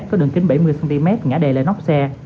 có đường kính bảy mươi cm ngã đê lên nóc xe